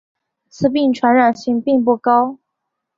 此病传染性并不高。